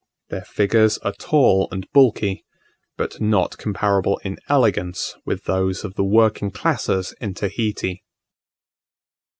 Their figures are tall and bulky; but not comparable in elegance with those of the working classes in Tahiti.